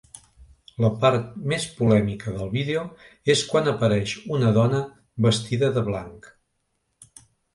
La part més polèmica del vídeo és quan apareix una dona vestida de blanc.